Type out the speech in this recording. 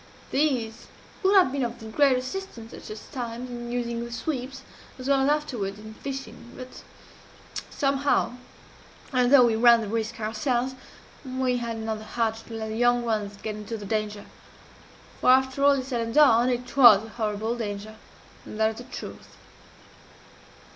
These would have been of great assistance at such times, in using the sweeps, as well as afterward in fishing but, somehow, although we ran the risk ourselves, we had not the heart to let the young ones get into the danger for, after all said and done, it was a horrible danger, and that is the truth.